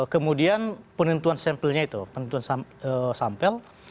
kemudian penentuan sampelnya itu penentuan sampel